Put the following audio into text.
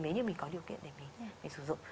nếu như mình có điều kiện để mình sử dụng